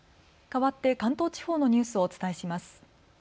かわって関東地方のニュースをお伝えします。